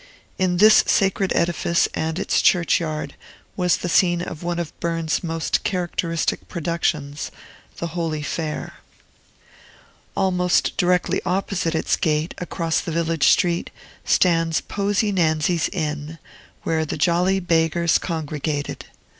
In this sacred edifice, and its churchyard, was the scene of one of Burns's most characteristic productions, "The Holy Fair." Almost directly opposite its gate, across the village street, stands Posie Nansie's inn, where the "Jolly Beggars" congregated.